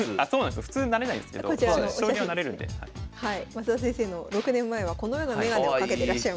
増田先生の６年前はこのような眼鏡をかけてらっしゃいました。